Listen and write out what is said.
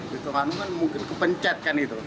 karena kan mungkin kepencet kan itu